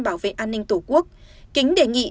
bảo vệ an ninh tổ quốc kính đề nghị